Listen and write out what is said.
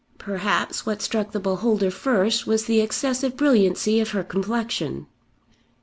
Perhaps what struck the beholder first was the excessive brilliancy of her complexion.